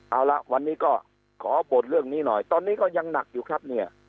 เอาละวันนี้ก็ขอบทเรื่องนี้หน่อยตอนนี้ก็ยังหนักอยู่ครับเนี่ย